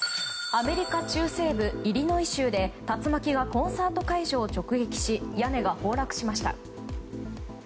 アメリカ中西部イリノイ州で竜巻がコンサート会場を直撃し屋根が崩落しました。